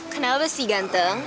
kenapa sih ganteng